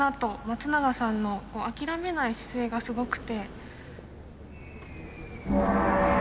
松永さんの諦めない姿勢がすごくて。